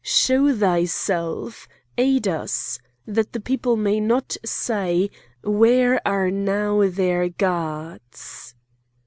Show thyself! aid us! that the peoples may not say: 'Where are now their gods?